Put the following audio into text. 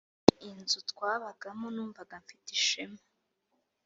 inzu twabagamo Numvaga mfite ishema